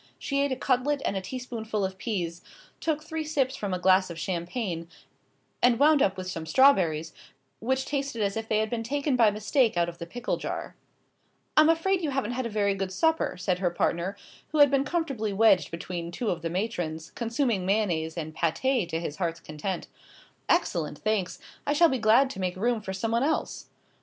She ate a cutlet and a teaspoonful of peas, took three sips from a glass of champagne, and wound up with some strawberries, which tasted as if they had been taken by mistake out of the pickle jar. "I'm afraid you haven't had a very good supper." said her partner, who had been comfortably wedged between two of the matrons, consuming mayonnaise and pâté to his heart's content. "Excellent, thanks. I shall be glad to make room for someone else."